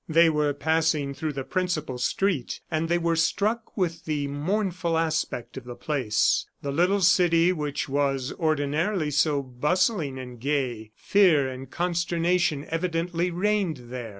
They were passing through the principal street, and they were struck with the mournful aspect of the place the little city which was ordinarily so bustling and gay fear and consternation evidently reigned there.